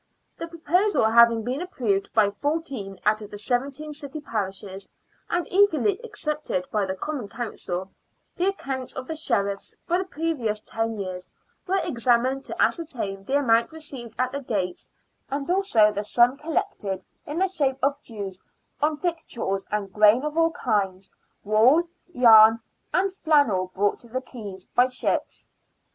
The proposal having been approved by fourteen out of the seventeen city parishes, and eagerly accepted by the Common Council, the accounts of the Sheriffs for the previous ten years were examined to ascertain the amount received at the gates, and also the sum collected in the shape of dues on victuals and grain POSSESSION OF CONSIDERABLE ESTATES. 15 of all kinds, wool, yam and flannel brought to the quays by ships.